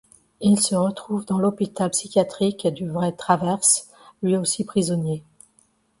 Ils se retrouvent dans l'hôpital psychiatrique du vrai Travers, lui aussi prisonnier.